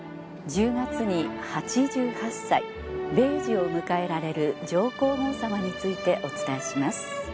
１０月に８８歳米寿を迎えられる上皇后さまについてお伝えします。